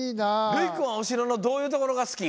るいくんはお城のどういうところが好き？